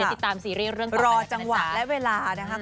เดี๋ยวติดตามซีรีส์เรื่องต่อไปนะครับรอจังหวะและเวลานะครับ